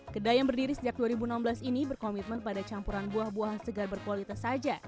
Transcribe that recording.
kedai yang berdiri sejak dua ribu enam belas ini berkomitmen pada campuran buah buahan segar berkualitas saja